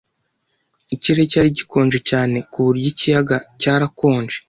Ikirere cyari gikonje cyane ku buryo ikiyaga cyarakonje.